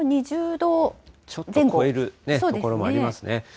ちょっと超える所もありますね。